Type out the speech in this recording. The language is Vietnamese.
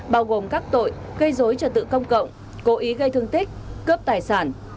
bao gồm các tội gây dối trật tự công cộng cố ý gây thương tích cướp tài sản